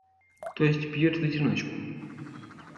то есть, пьет в одиночку.